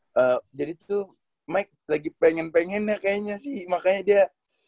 tuh mike lagi pengen pengennya kayaknya sih makanya dia